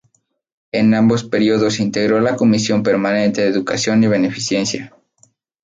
En ambos períodos integró la Comisión permanente de Educación y Beneficencia.